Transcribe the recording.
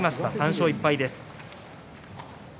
３勝１敗です。